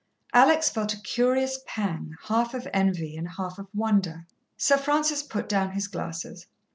Alex felt a curious pang, half of envy and half of wonder. Sir Francis put down his glasses.